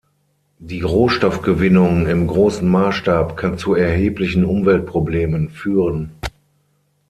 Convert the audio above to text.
Die Rohstoffgewinnung im großen Maßstab kann zu erheblichen Umweltproblemen führen.